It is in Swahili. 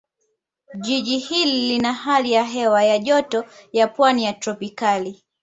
Jiji hili lina hali ya hewa ya Joto ya Pwani ya Tropicali